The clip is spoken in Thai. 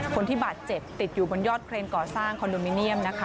คนที่บาดเจ็บติดอยู่บนยอดเครนก่อสร้างคอนโดมิเนียมนะคะ